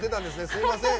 すいません。